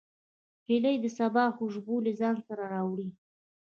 هیلۍ د سبا خوشبو له ځان سره راوړي